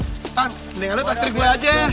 tan mendingan lo traktir gue aja